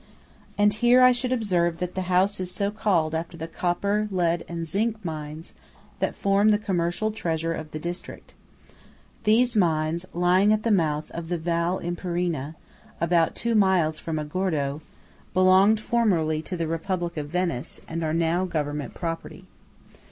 And here I should observe that the house is so called after the copper, lead, and zinc mines that form the commercial treasure of the district. These mines, lying at the mouth of the Val Imperina, about two miles from Agordo, belonged formerly to the Republic of Venice, and are now government property.